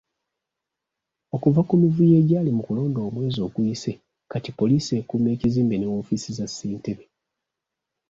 Okuva ku mivuyo egyali mu kulonda omwezi oguyise kati poliisi ekuuma ekizimbe ne woofiisi za ssentebe.